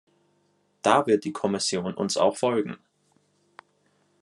Da wird die Kommisson uns auch folgen.